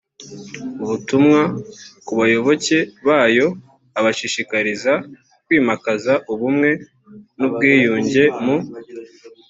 ubutumwa ku bayoboke bayo abashishikariza kwimakaza ubumwe n ubwiyunge mu